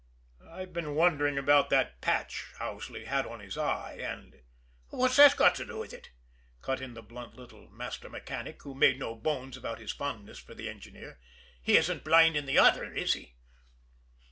I've been wondering about that patch Owsley had on his eye, and " "What's that got to do with it?" cut in the blunt little master mechanic, who made no bones about his fondness for the engineer. "He isn't blind in the other, is he?"